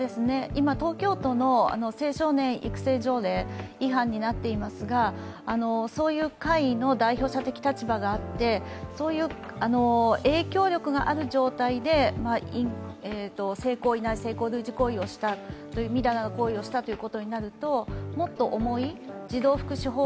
今、東京都の青少年健全育成条例違反になっていますがそういう会の代表者的立場があってそういう影響力がある状態で性行為なり性交類似行為をした淫らな行為をしたということになると、もっと重い児童福祉法